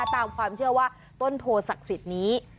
ตามความเชื่อว่าต้นโทสักศิรรินี้